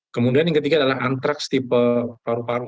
kemudian yang ketiga adalah antraks tipe paru paru